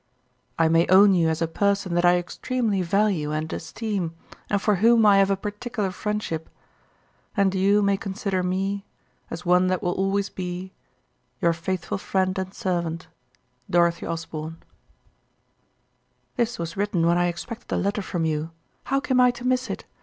I may own you as a person that I extremely value and esteem, and for whom I have a particular friendship, and you may consider me as one that will always be Your faithful. This was written when I expected a letter from you, how came I to miss it?